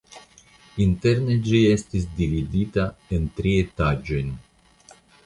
Interne ĝi estis dividita en tri etaĝojn.